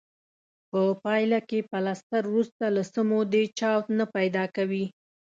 په پایله کې پلستر وروسته له څه مودې چاود نه پیدا کوي.